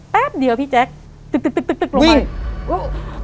แป๊บเดียวพี่แจ๊กตึกลงไป